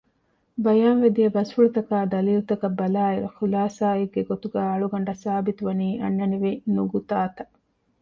ބަޔާންވެދިޔަ ބަސްފުޅުތަކާއި ދަލީލުތަކަށް ބަލާއިރު ޚުލާޞާއެއްގެ ގޮތުގައި އަޅުގަނޑަށް ސާބިތުވަނީ އަންނަނިވި ނުގުތާތައް